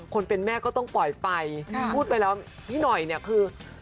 คนเป็นแม่ก็ต้องปล่อยไปพูดไปแล้วพี่หน่อยเนี่ยคือ